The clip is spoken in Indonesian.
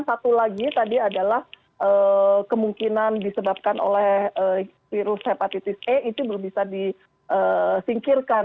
dan satu lagi tadi adalah kemungkinan disebabkan oleh virus hepatitis e itu belum bisa disingkirkan